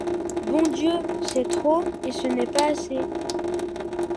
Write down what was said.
Bon Dieu, c’est trop, et ce n’est pas assez.